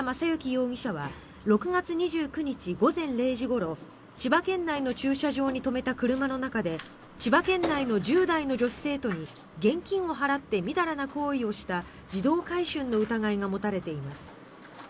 容疑者は６月２９日午前０時ごろ千葉県内の駐車場に止めた車の中で千葉県内の１０代の女子生徒に現金を払ってみだらな行為をした児童買春の疑いが持たれています。